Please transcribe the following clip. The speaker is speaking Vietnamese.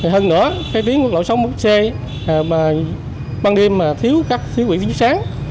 hơn nữa phát triển quốc lộ sáu mươi một c ban đêm thiếu các thiếu vị trí sáng